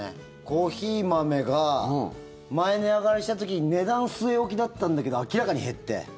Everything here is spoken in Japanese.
コーヒー豆が前、値上がりした時値段据え置きだったんだけど量が。